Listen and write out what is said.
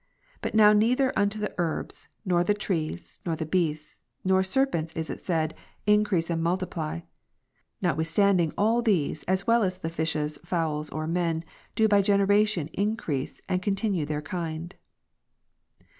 But now neither unto the herbs, nor the trees, nor the beasts, nor serpents is it said. Increase and multiply ; notwithstanding all these as well as the fishes, fowls, or men, do by generation increase and con tinue their kind.